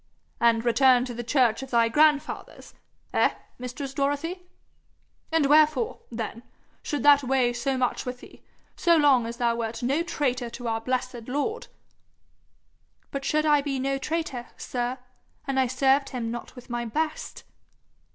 'And returned to the church of thy grandfathers eh, mistress Dorothy? And wherefore, then, should that weigh so much with thee, so long as thou wert no traitor to our blessed Lord?' 'But should I be no traitor, sir, an' I served him not with my best?'